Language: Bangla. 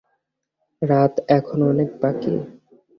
রাত এখনও অনেক বাকি।